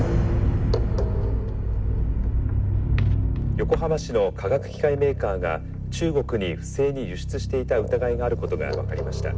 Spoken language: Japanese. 「横浜市の化学機械メーカーが中国に不正に輸出していた疑いがあることが分かりました」。